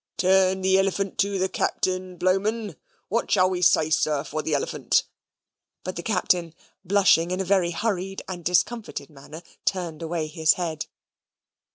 "Turn the elephant to the Captain, Blowman. What shall we say, sir, for the elephant?" but the Captain, blushing in a very hurried and discomfited manner, turned away his head.